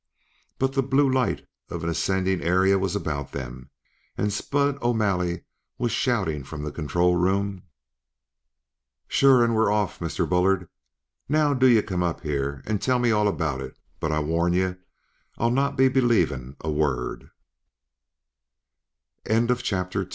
But the blue light of an ascending area was about them, and Spud O'Malley was shouting from the control room: "Sure, and we're off, Mr. Bullard. Now do ye come up here and tell me all about it but I warn you, I'll not be believin' a word " CHAPTER III Up From Earth Chet had plenty of